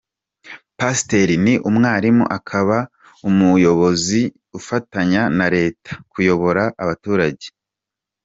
Pasiteri ni umwarimu akaba n’ umuyobozi ufatanya na Leta kuyobora abaturage.